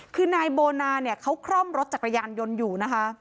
คือนายโบนาเขาคร่อมรถจักรยานยนต์อยู่